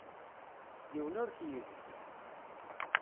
Yiwen ur k-yegzi.